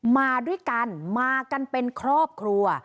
มาด้วยกันมากันเป็นครอบครัว